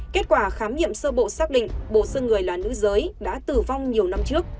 kết quả khám nghiệm sơ bộ xác định bộ sư người là nữ giới đã tử vong nhiều năm trước